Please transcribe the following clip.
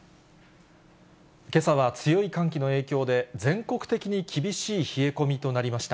けさは強い寒気の影響で、全国的に厳しい冷え込みとなりました。